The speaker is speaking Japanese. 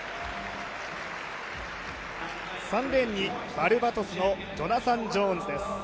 ３レーンにバルバドスのジョナサン・ジョーンズです。